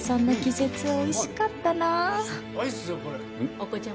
お子ちゃま。